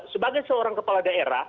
sebagai seorang kepala daerah